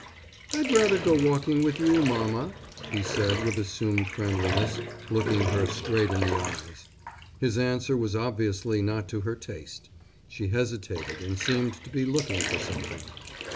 "I'd rather go walking with you, mamma," he said with assumed friendliness, looking her straight in the eyes. His answer was obviously not to her taste. She hesitated and seemed to be looking for something.